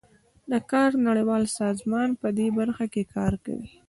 د کار نړیوال سازمان پدې برخه کې کار کوي